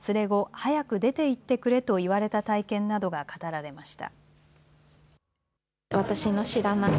早く出て行ってくれと言われた体験などが語られました。